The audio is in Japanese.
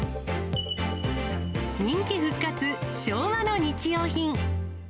人気復活、昭和の日用品。